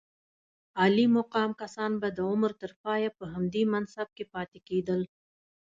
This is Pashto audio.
عالي مقام کسان به د عمر تر پایه په همدې منصب کې پاتې کېدل.